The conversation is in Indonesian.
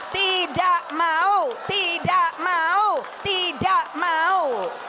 tidak mau tidak mau tidak mau